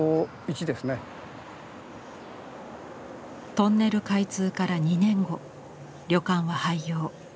トンネル開通から２年後旅館は廃業。